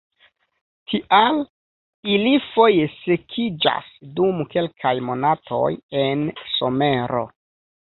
Tial, ili foje sekiĝas dum kelkaj monatoj en somero.